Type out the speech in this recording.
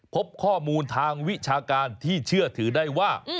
พบข้อมูลทางวิชาการที่เชื่อถือได้ว่า